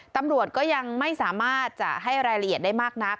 ตำรวจก็ยังไม่สามารถจะให้รายละเอียดได้มากนัก